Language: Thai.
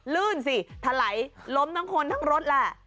ลื่นสิทะไหลล้มทั้งคนทั้งรถแหละ